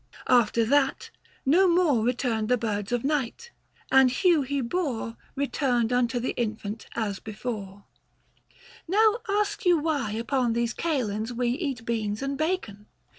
After that no more Returned the birds of night ; and hue he bore Returned unto the infant as before. n 2 180 THE FASTI. Book VI. Now ask you why upon these kalends we 200 Eat beans and bacon